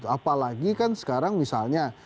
apalagi kan sekarang misalnya